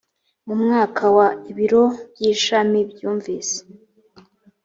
mu mwaka wa ibiro by ishami byumvise